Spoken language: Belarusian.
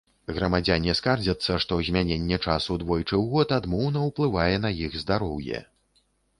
Грамадзяне скардзяцца, што змяненне часу двойчы ў год адмоўна ўплывае на іх здароўе.